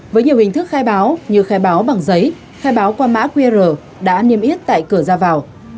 với nhiều hình thức khai báo như khai báo bằng giấy khai báo qua mã qr đã niêm yết tại cửa ra vào